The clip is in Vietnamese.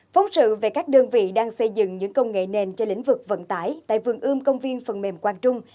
phóng sự về các đơn vị đang xây dựng những công nghệ nền cho lĩnh vực vận tải tại vườn ươm công viên phần mềm quang trung